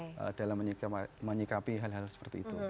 dalam menyikapi hal hal seperti itu